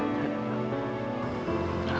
kalau belum kau mencintai aku